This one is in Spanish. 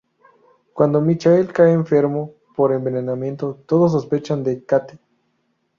Cuando Michael cae enfermo por envenenamiento, todos sospechan de Kate.